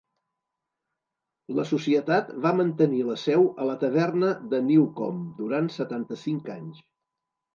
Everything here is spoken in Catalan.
La societat va mantenir la seu a la taverna de Newcom durant setanta-cinc anys.